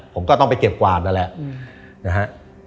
ผมก็ต้องไปเก็บกวาดแล้วแหละ